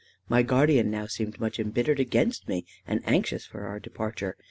My guardian now seemed much embittered against me, and anxious for our departure.